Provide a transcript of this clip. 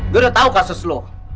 gue udah tau kasus lo